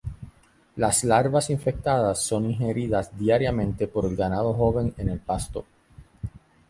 Las larvas infectadas son ingeridas diariamente por el ganado joven en el pasto.